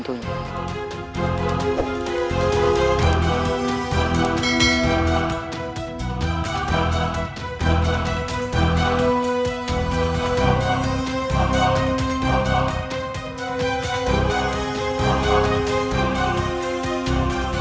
tuhan yang terbaik